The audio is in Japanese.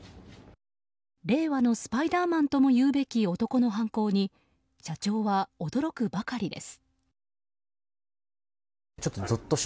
令和のスパイダーマンともいうべき男の犯行に社長は驚くばかりです。